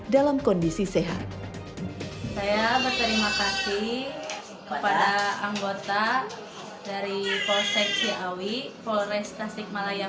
dalam kondisi sehat saya berterima kasih kepada anggota dari polsek ciawi polres tasikmalaya